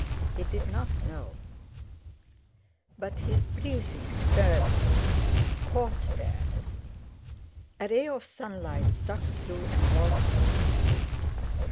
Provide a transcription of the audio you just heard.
He did not know; but his breathing stirred it, caught there. A ray of sunlight struck through and lodged on his boot.